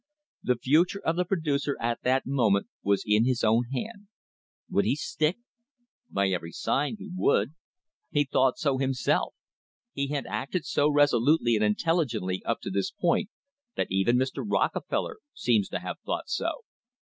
The future of the producer at that moment was in his own hand. Would he stick? By every sign he would. He thought so himself. He had acted so resolutely and intelligently up to this point that even Mr. Rockefeller seems to have thought so.